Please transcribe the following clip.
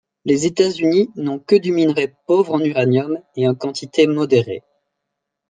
Les États-Unis n'ont que du minerai pauvre en uranium et en quantité modérée.